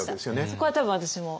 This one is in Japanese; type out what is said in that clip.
そこは多分私も。